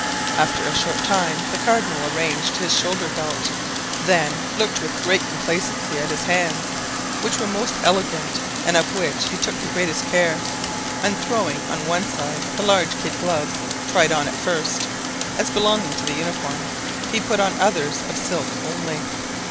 After a short time the cardinal arranged his shoulder belt, then looked with great complacency at his hands, which were most elegant and of which he took the greatest care; and throwing on one side the large kid gloves tried on at first, as belonging to the uniform, he put on others of silk only.